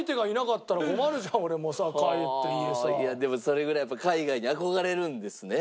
でもそれぐらいやっぱ海外に憧れるんですね。